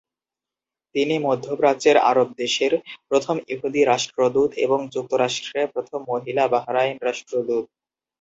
তিনি মধ্যপ্রাচ্যের আরব দেশের প্রথম ইহুদি রাষ্ট্রদূত, এবং যুক্তরাষ্ট্রে প্রথম মহিলা বাহরাইন রাষ্ট্রদূত।